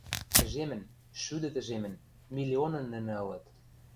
Тӹжемӹн, шӱдӹ тӹжемӹн, миллионын нӹнӹ ылыт.